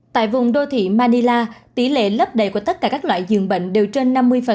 tại vùng đô thị manila tỷ lệ lấp đầy của tất cả các loại dường bệnh đều trên năm mươi